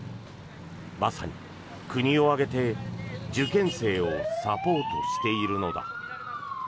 まさに、国を挙げて受験生をサポートしているのだ。